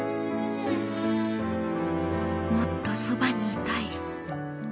もっとそばにいたい。